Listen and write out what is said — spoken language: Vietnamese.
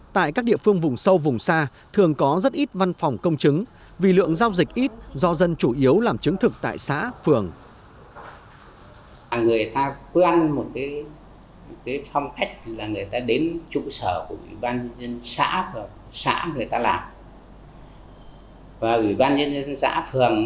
tại các địa phương vùng sâu vùng xa thường có rất ít văn phòng công chứng vì lượng giao dịch ít do dân chủ yếu làm chứng thực tại xã phường